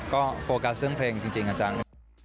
ก็โฟกัสเรื่องเพลงจริงอาจารย์